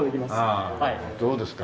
ああどうですか？